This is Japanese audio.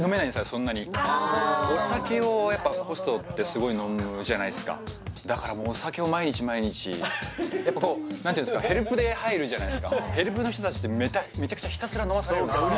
そんなにお酒をホストってすごい飲むじゃないですかだからもうお酒を毎日毎日やっぱ何ていうんですかヘルプで入るじゃないですかヘルプの人達ってめちゃくちゃひたすら飲まされるんですよ